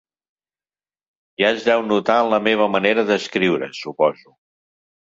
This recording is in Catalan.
Ja es deu notar en la meva manera d'escriure, suposo.